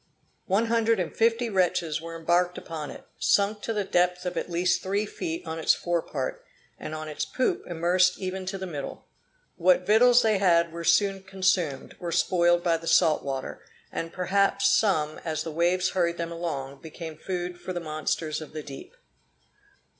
One hundred and fifty wretches were embarked upon it, sunk to the depth of at least three feet on its fore part, and on its poop immersed even to the middle. What victuals they had were soon consumed, or spoiled by the salt water; and perhaps some, as the waves hurried them along, became food for the monsters of the deep.